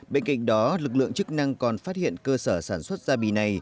bên cạnh đó lực lượng chức năng còn phát hiện cơ sở sản xuất gia bì này